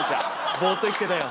ボーっと生きてたよ。